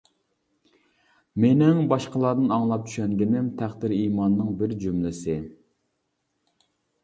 مېنىڭ باشقىلاردىن ئاڭلاپ چۈشەنگىنىم: تەقدىر ئىماننىڭ بىر جۈملىسى.